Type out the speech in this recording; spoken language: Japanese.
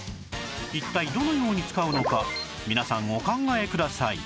一体どのように使うのか皆さんお考えください